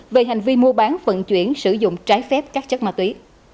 về hành vi mua bán vận chuyển sử dụng trái phép các chất ma túy